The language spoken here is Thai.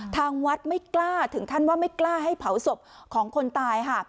ทางวัดไม่กล้าถึงขั้นว่าไม่กล้าให้เผาศพของคนตายค่ะ